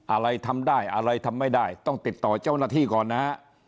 อะไรทำได้อะไรทำไม่ได้ต้องติดต่อเจ้าหน้าที่ก่อนนะฮะ